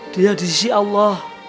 dia diisi allah